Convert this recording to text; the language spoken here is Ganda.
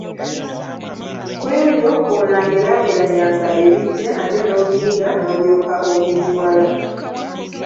Ku ebyo kw'onaageraageranyanga ebiggya, nabyo n'obiyiga, n'olyoka ogeziwala.